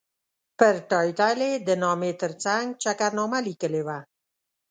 پر ټایټل یې د نامې ترڅنګ چکرنامه لیکلې وه.